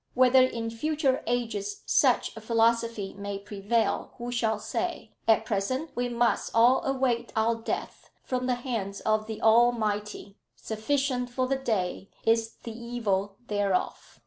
Whether in future ages such a philosophy may prevail, who shall say? At present we must all await our death from the hands of the Almighty. 'Sufficient for the day is the evil thereof.'